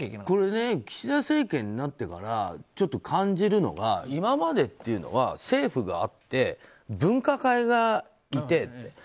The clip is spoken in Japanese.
これ、岸田政権になってからちょっと感じるのは今までというのは政府があって分科会がいてって。